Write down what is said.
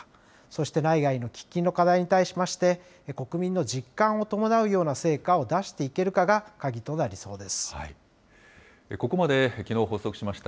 そして内外の喫緊の課題に対しまして、国民の実感を伴うような成果を出していけるかが鍵となりそうです。